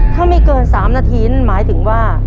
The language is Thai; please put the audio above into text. ถ้าไม่เกิน๓นาทีนั่นหมายถึงว่า